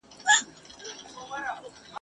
یو زلمی به د شپې ونیسي له لاسه ..